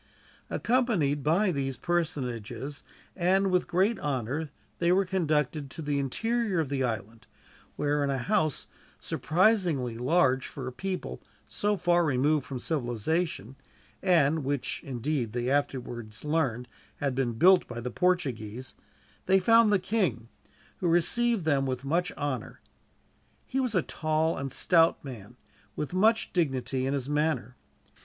Accompanied by these personages, and with great honor, they were conducted to the interior of the island; where, in a house surprisingly large for a people so far removed from civilization, and which, indeed, they afterwards learned had been built by the Portuguese, they found the king, who received them with much honor He was a tall and stout man, with much dignity in his manner.